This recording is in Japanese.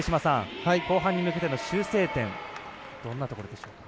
後半に向けての修正点どんなところでしょうか。